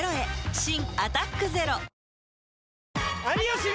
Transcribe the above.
新「アタックＺＥＲＯ」有吉の。